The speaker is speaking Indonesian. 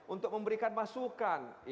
untuk memberikan masukan